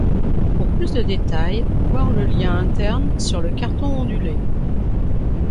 Pour plus de détails voir le Lien interne sur le carton ondulé.